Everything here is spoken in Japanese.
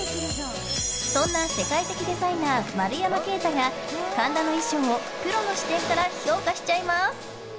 そんな世界的デザイナー丸山敬太が神田の衣装をプロの視点から評価しちゃいます。